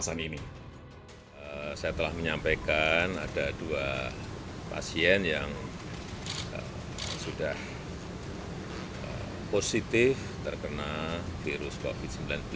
saya telah menyampaikan ada dua pasien yang sudah positif terkena virus covid sembilan belas